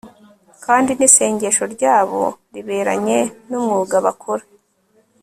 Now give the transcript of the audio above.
kandi n'isengesho ryabo riberanye n'umwuga bakora